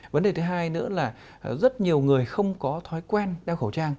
vấn đề thứ hai nữa là rất nhiều người không có thói quen đeo khẩu trang